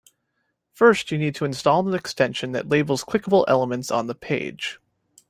First, you need to install an extension that labels clickable elements on the page.